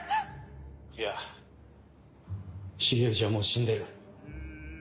いや重藤はもう死んでる。